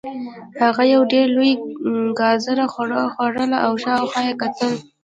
هغه یوه ډیره لویه ګازره خوړله او شاوخوا یې کتل